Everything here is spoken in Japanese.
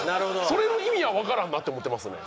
それの意味がわからんなって思ってますね。